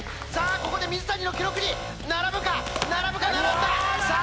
ここで水谷の記録に並ぶか並ぶか並んださあ